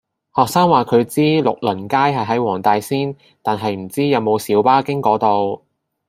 學生話佢知睦鄰街係喺黃大仙，但係唔知有冇小巴經嗰度